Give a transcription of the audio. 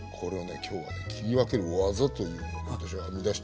今日はね切り分ける技というのを私は編み出したの。